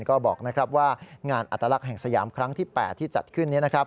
ก็บอกว่างานอัตลักษณ์แห่งสยามครั้งที่๘ที่จัดขึ้น